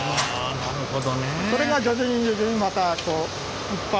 なるほど。